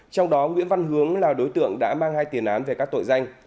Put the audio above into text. trong đó nguyễn văn hướng là đối tượng đã mang hai tiền án về các tội danh